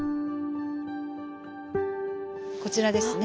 こちらですね